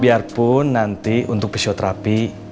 biarpun nanti untuk fisioterapi